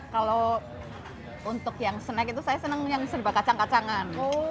kalau untuk yang snack itu saya senang yang serba kacang kacangan